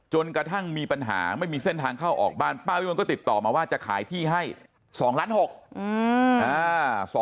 จนกระทั่งมีปัญหาไม่มีเส้นทางเข้าออกบ้านป้าวิมลก็ติดต่อมาว่าจะขายที่ให้๒ล้าน๖